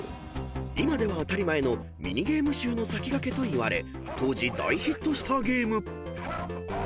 ［今では当たり前のミニゲーム集の先駆けといわれ当時大ヒットしたゲーム］